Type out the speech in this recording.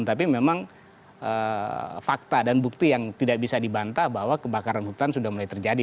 tapi memang fakta dan bukti yang tidak bisa dibantah bahwa kebakaran hutan sudah mulai terjadi